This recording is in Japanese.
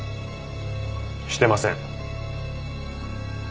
してません。